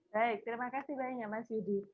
baik terima kasih banyak mas yudi